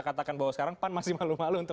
katakan bahwa sekarang pan masih malu malu untuk